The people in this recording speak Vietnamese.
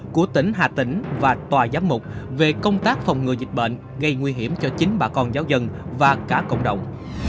của tỉnh hà tĩnh và tòa giám mục về công tác phòng ngừa dịch bệnh gây nguy hiểm cho chính bà con giáo dân và cả cộng đồng